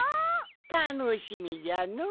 たのしみじゃのお。